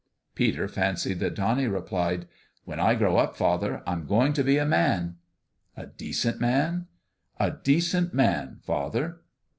Peter fancied that Donnie replied : "When I grow up, father, I'm going to be a man." " A decent man ?"" A decent man, father."